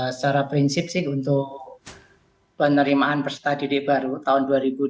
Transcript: secara prinsip sih untuk penerimaan persetajidik baru tahun dua ribu dua puluh tiga